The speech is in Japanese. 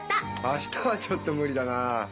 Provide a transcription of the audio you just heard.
明日はちょっと無理だな。